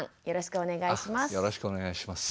よろしくお願いします。